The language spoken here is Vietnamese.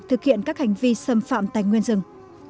thực hiện các hành vi xâm phạm tài nguyên rừng